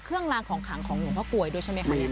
เครื่องลากของขังของห่วงพระกรวยดูใช่ไหมครับ